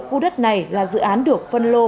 khu đất này là dự án được phân lô